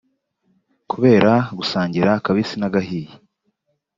Kubera gusangira akabisi n’agahiye